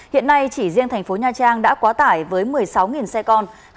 hiện nay chỉ riêng thành phố nha trang đã quá tải với một mươi sáu xe con